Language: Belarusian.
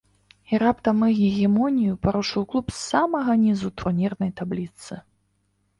І раптам іх гегемонію парушыў клуб з самага нізу турнірнай табліцы.